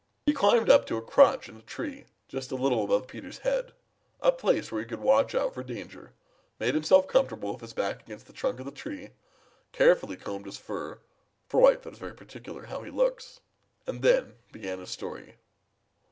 He climbed up to a crotch in a tree just a little above Peter's head, a place where he could watch out for danger, made himself comfortable with his back against the trunk of the tree, carefully combed his fur, for Whitefoot is very particular how he looks, and then began his story.